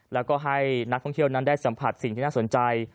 แล้วก็ให้นักท่องเที่ยวนั้นได้สัมผัสสิ่งที่น่าสนใจ